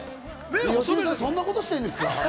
芳根さん、そんなことしているんですか？